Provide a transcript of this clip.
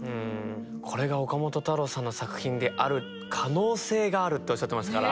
これが岡本太郎さんの作品である可能性があるっておっしゃってましたから。